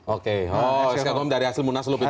oh sk kumham dari hasil munasulup itu ya